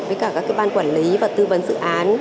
với cả các ban quản lý và tư vấn dự án